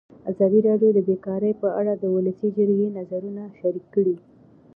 ازادي راډیو د بیکاري په اړه د ولسي جرګې نظرونه شریک کړي.